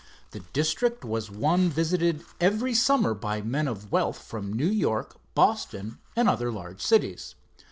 The district was one visited every summer by men of wealth from New York, Boston and other large cities.